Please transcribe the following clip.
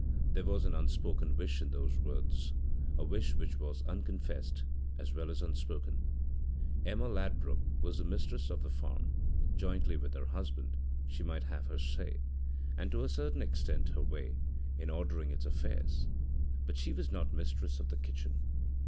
There was an unspoken wish in those words, a wish which was unconfessed as well as unspoken. Emma Ladbruk was the mistress of the farm; jointly with her husband she might have her say, and to a certain extent her way, in ordering its affairs. But she was not mistress of the kitchen.